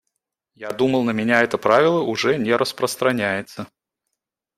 Я думал на меня это правило уже не распространяется.